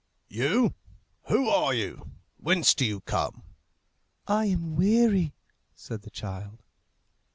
"You? Who are you? whence do you come?" "I am weary," said the child.